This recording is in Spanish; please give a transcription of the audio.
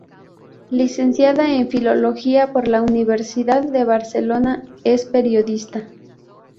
Licenciada en Filología por la Universidad de Barcelona, es periodista.